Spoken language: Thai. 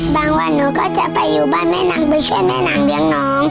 วันหนูก็จะไปอยู่บ้านแม่นางไปช่วยแม่นางเลี้ยงน้อง